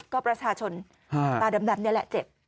ก็ประชาชนตาดำนี่แหละเจ็บ